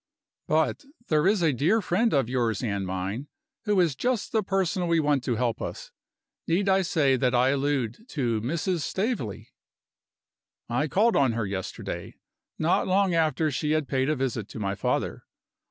But there is a dear friend of yours and mine, who is just the person we want to help us. Need I say that I allude to Mrs. Staveley? I called on her yesterday, not long after she had paid a visit to my father.